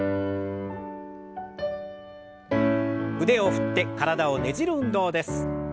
腕を振って体をねじる運動です。